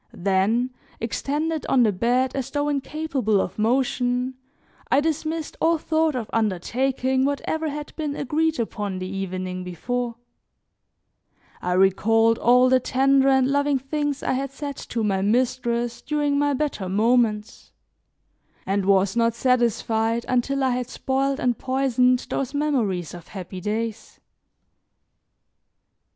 Then, extended on the bed, as though incapable of motion, I dismissed all thought of undertaking whatever had been agreed upon the evening before; I recalled all the tender and loving things I had said to my mistress during my better moments, and was not satisfied until I had spoiled and poisoned those memories of happy days.